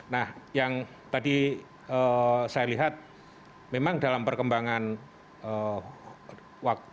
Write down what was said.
nah yang tadi saya lihat memang dalam perkembangan waktu